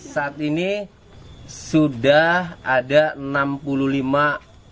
saat ini sudah ada penelitian yang diperoleh oleh pemimpin pementer